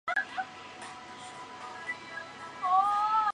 联合银行的营业网点主要分布在杭州市各地。